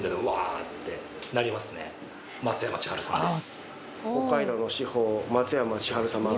松山千春さんです。